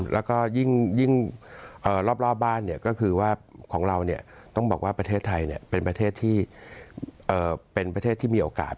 แล้วก็ยิ่งรอบบ้านก็คือว่าของเราต้องบอกว่าประเทศไทยเป็นประเทศที่เป็นประเทศที่มีโอกาส